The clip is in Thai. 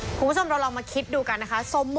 คุณผู้ชมเราลองมาคิดดูกันนะคะ